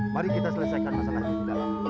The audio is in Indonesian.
mari kita selesaikan masalah ini dalam